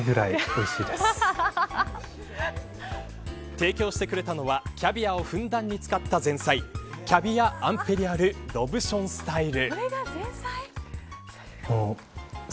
提供してくれたのはキャビアをふんだんに使った前菜キャビア・アンペリアルロブションスタイル。